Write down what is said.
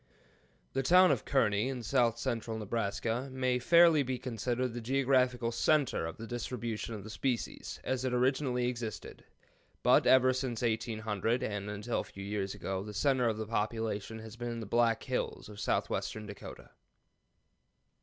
The town of Kearney, in south central Nebraska, may fairly be considered the geographical center of distribution of the species, as it originally existed, but ever since 1800, and until a few years ago, the center of population has been in the Black Hills of southwestern Dakota.